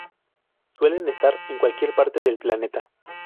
Suelen estar en cualquier parte del planeta.